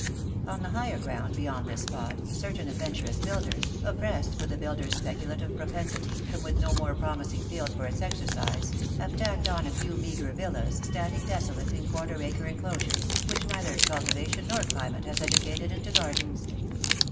On the higher ground beyond this spot certain adventurous builders, oppressed with the builder's speculative Eropensity and with no more promising field for its exercise, ave tacked on a few meagre villas, standing desolate in quar ter acre enclosures, which neither cultivation nor climate has educated into gardens.